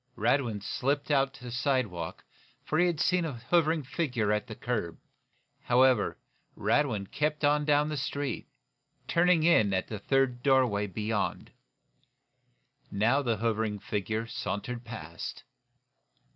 Radwin slipped out to the sidewalk, for he had seen a hovering figure at the curb. However, Radwin kept on down the street, turning in at the third doorway beyond. Now, the hovering figure sauntered past.